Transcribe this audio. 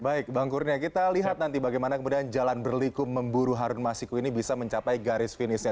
baik bang kurnia kita lihat nanti bagaimana kemudian jalan berliku memburu harun masiku ini bisa mencapai garis finisnya